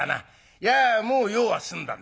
いやもう用は済んだんだ。